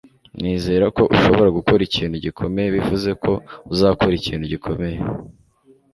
nizera ko ushobora gukora ikintu gikomeye bivuze ko uzakora ikintu gikomeye